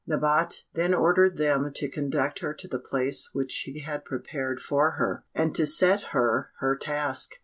Nabote then ordered them to conduct her to the place which she had prepared for her, and to set her her task.